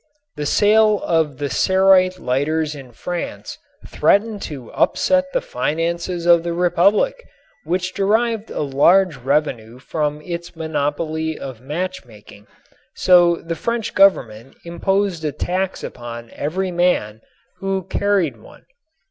The sale of the cerite lighters in France threatened to upset the finances of the republic, which derived large revenue from its monopoly of match making, so the French Government imposed a tax upon every man who carried one.